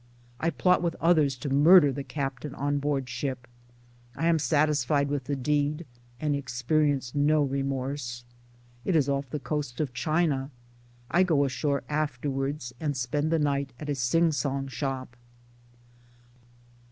I plot with others to murder the captain on board ship. I am satisfied with the deed and experience no remorse. It is off the coast of China. I go ashore afterwards and spend the night at a sing song shop.